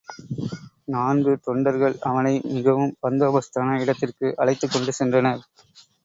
நான்கு தொண்டர்கள் அவனை மிகவும் பந்தோபஸ்தான இடத்திற்கு அழைத்துக் கொண்டு சென்றனர்.